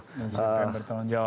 dan siapa yang bertanggung jawab